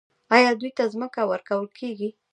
آیا دوی ته ځمکه ورکول کیږي؟